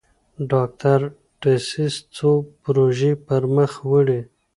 ډاکټر ډسیس څو پروژې پرمخ وړي.